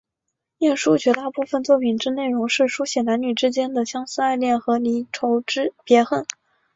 晏殊绝大部分作品之内容是抒写男女之间的相思爱恋和离愁别恨。